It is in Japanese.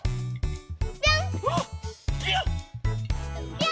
ぴょん！